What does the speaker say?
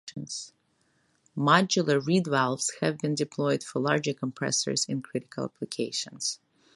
Modular Reed Valves have been deployed for larger compressors in critical applications.